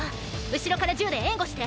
後ろから銃で援護して。